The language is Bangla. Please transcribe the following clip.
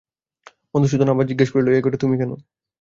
মধুসূদন আবার জিজ্ঞাসা করলে, এ ঘরে তুমি কেন?